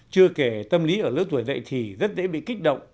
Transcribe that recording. chưa kể tâm lý ở lứa tuổi dậy thì rất dễ bị kích động